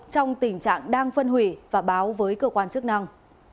trong tình trạng đang phân hủy và báo với cơ quan chức năng